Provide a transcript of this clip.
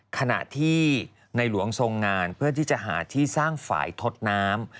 ขณะที่ในหลวงทรงงานเพื่อที่จะหาที่สร้างฝ่ายทดน้ำ